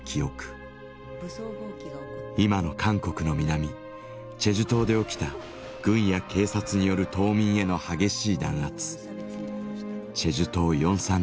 今の韓国の南チェジュ島で起きた軍や警察による島民への激しい弾圧。